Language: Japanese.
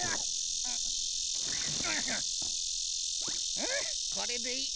うんこれでいい。